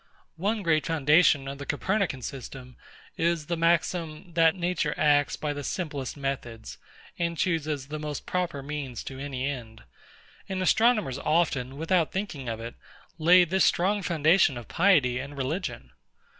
One great foundation of the Copernican system is the maxim, That Nature acts by the simplest methods, and chooses the most proper means to any end; and astronomers often, without thinking of it, lay this strong foundation of piety and religion.